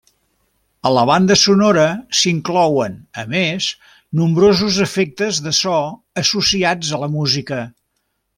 A la banda sonora s'inclouen, a més, nombrosos efectes de so associats a la música.